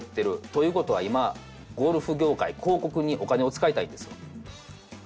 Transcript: という事は今ゴルフ業界広告にお金を使いたいんですよ。